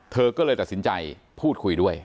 เธอก็เลยตัดสินใจพูดคุยด้วย